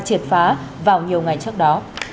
triệt phá vào nhiều ngày trước đó